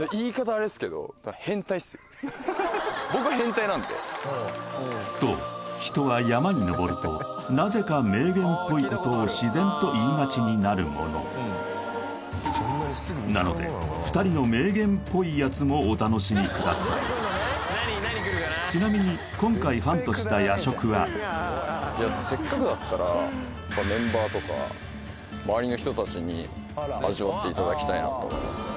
あれですけどそう人は山に登るとなぜか名言っぽいことを自然と言いがちになるものなのでちなみにせっかくだったらメンバーとか周りの人たちに味わっていただきたいなと思いますね